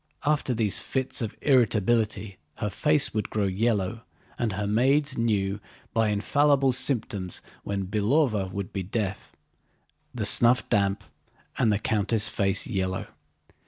After these fits of irritability her face would grow yellow, and her maids knew by infallible symptoms when Belóva would again be deaf, the snuff damp, and the countess' face yellow.